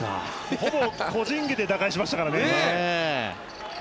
ほぼ個人技で打開しましたからね。